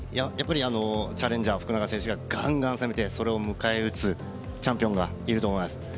チャレンジャー、福永選手ががんがん攻めてそれを迎え撃つチャンピオンがいると思います。